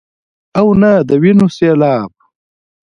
او نۀ د وينو سيلاب ،